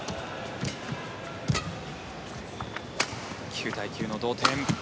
９対９の同点。